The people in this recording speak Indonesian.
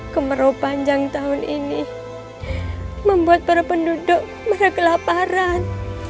kemarau panjang tahun ini membuat para penduduk mereka kelaparan